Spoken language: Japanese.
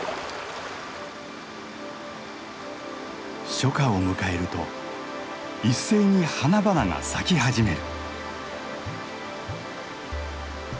初夏を迎えると一斉に花々が咲き始める。